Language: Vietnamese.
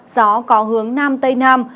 gió có hướng nam tây nam